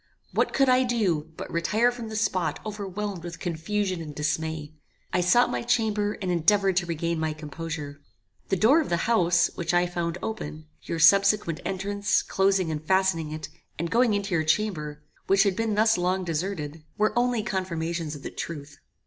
What could I do, but retire from the spot overwhelmed with confusion and dismay? I sought my chamber, and endeavoured to regain my composure. The door of the house, which I found open, your subsequent entrance, closing, and fastening it, and going into your chamber, which had been thus long deserted, were only confirmations of the truth.